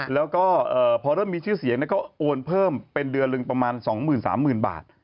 แล้วก็พอเริ่มมีชื่อเสียงก็โอนเพิ่มเป็นเดือนหนึ่งประมาณ๒๓๐๐๐บาท